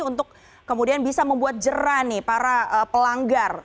untuk kemudian bisa membuat jerani para pelanggar